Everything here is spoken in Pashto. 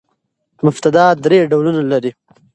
مبتداء درې ډولونه لري.